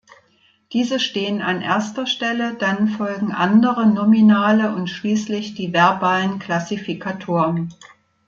Diese stehen an erster Stelle, dann folgen andere nominale und schließlich die verbalen Klassifikatoren.